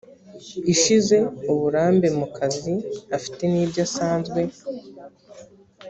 ishize uburambe mu kazi afite n ibyo asanzwe